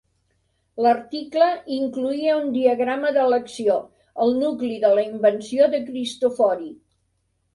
L'article incloïa un diagrama de l'acció, el nucli de la invenció de Cristofori.